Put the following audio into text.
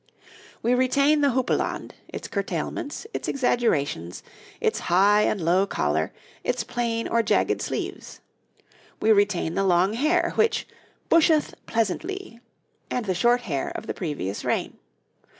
We retain the houppelande, its curtailments, its exaggerations, its high and low collar, its plain or jagged sleeves. We retain the long hair, which 'busheth pleasauntlie,' and the short hair of the previous reign.